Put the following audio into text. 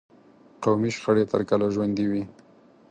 قومي شخړې تر کله ژوندي وي.